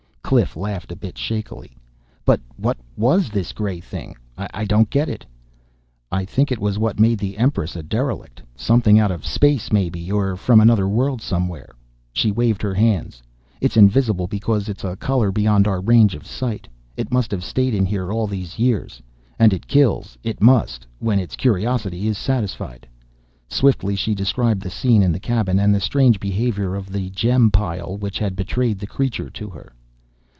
Cliff laughed a bit shakily. "But what was this gray thing? I don't get it." "I think it was what made the Empress a derelict. Something out of space, maybe, or from another world somewhere." She waved her hands. "It's invisible because it's a color beyond our range of sight. It must have stayed in here all these years. And it kills it must when its curiosity is satisfied." Swiftly she described the scene in the cabin and the strange behavior of the gem pile which had betrayed the creature to her.